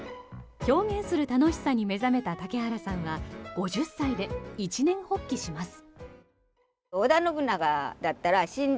表現する楽しさに目覚めた竹原さんは５０歳で一念発起します。